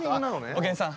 おげんさん。